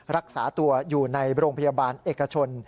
รักษาตัวอยู่ในโรงพยาบาลเอกชน